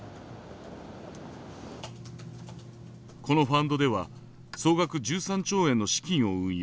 このファンドでは総額１３兆円の資金を運用。